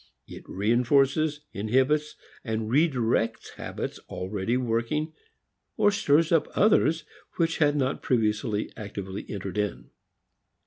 It reinforces, inhibits, redirects habits already working or stirs up others which had not previously actively entered in.